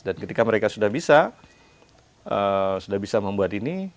dan ketika mereka sudah bisa sudah bisa membuat ini